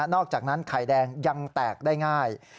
อกจากนั้นไข่แดงยังแตกได้ง่าย